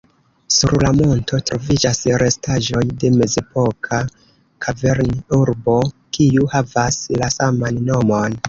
Sur la monto troviĝas restaĵoj de mezepoka kavern-urbo, kiu havas la saman nomon.